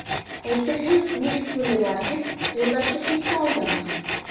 Әйтерһең, «нефть күле бар», тип Юлдашты һис тә алдамаған.